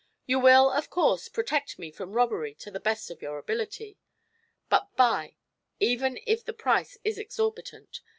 You will, of course, protect me from robbery to the best of your ability; but buy, even if the price is exorbitant.